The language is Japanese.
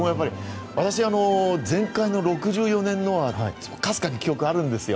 私、前回の１９６４年のはかすかに記憶があるんですよ。